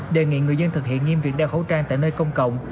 đề nghị người dân thực hiện nghiêm việc đeo khẩu trang tại nơi công cộng